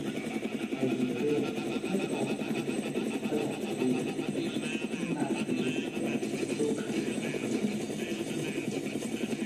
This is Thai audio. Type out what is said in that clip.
ไอเดียเรื่อง "ไม่พร้อมทางเศรษฐกิจก็อย่ามีลูก" นี่มากับวิธีคิดแบบ ลูกใครคนนั้นก็เลี้ยง